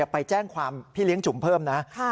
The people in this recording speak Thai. ไปแจ้งความพี่เลี้ยงจุ๋มเพิ่มนะ